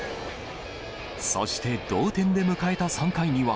そして同点で迎えた３回には、